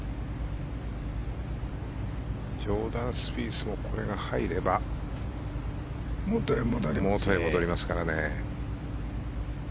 ジョーダン・スピースはこれが入れば元へ戻りますからね。